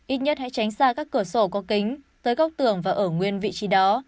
ít nhất hãy tránh xa các cửa sổ có kính tới góc tường và ở nguyên vị trí đó